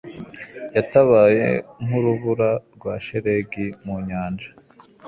yatakaye nk'urubura rwa shelegi mu nyanja